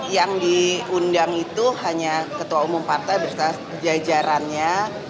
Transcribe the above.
yang diundang itu hanya ketua umum partai berjajarannya